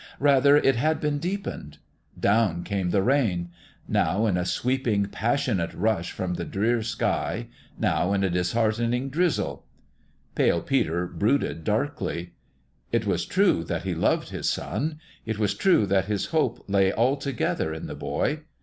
Rather, it had been deepened. Down came the rain : now in a sweeping, passionate rush from the drear sky, now in a disheartening drizzle. Pale Peter brooded darkly. It was true that he loved his 140 PALE PETER'S DONALD son. It was true that his hope lay altogether in the boy.